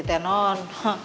surti teh non